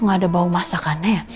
gak ada bau masakannya ya